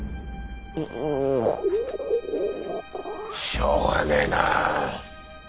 しょうがねえな。